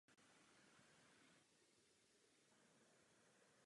Průtok silně kolísá a v různých letech se značně liší.